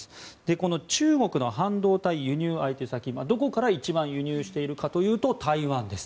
この中国の半導体輸入相手先どこから一番輸入しているかというと台湾です。